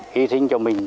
hy sinh cho mình